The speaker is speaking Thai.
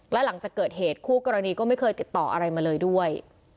และหลังจากเกิดเหตุคู่กรณีก็ไม่เคยติดต่ออะไรมาเลยด้วย